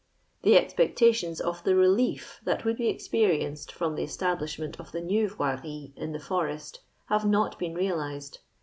The expectations of the relief that w> uld be experienced from the estabUshment of the new Yoirie in the forest have not been realized.